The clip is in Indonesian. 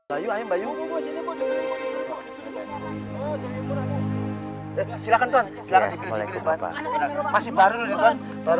aku pernah dengar